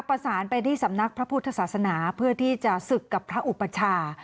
ประสานไปที่สำนักพระพุทธศาสนาเพื่อที่จะศึกกับพระอุปชา